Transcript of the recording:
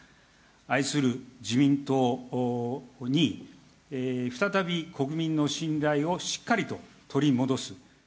愛する自民党に、再び国民の信頼をしっかりと取り戻す。